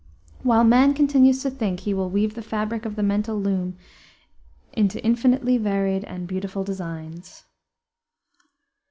While man continues to think he will weave the fabric of the mental loom into infinitely varied and beautiful designs.